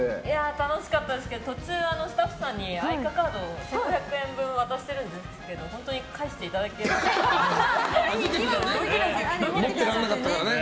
楽しかったですけど途中、スタッフさんにＡｉｃａカードを１５００円分渡したんですけど本当に返していただけるんですかね。